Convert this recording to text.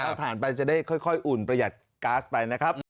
เอาถ่านไปจะได้ค่อยอุ่นประหยัดก๊าซไปนะครับ